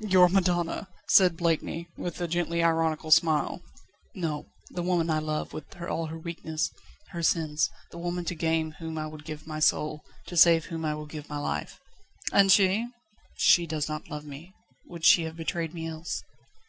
"Your madonna!" said Blakeney, with a gently ironical smile. "No; the woman I love, with all her weaknesses, all her sins; the woman to gain whom I would give my soul, to save whom I will give my life." "And she?" "She does not love me would she have betrayed me else?"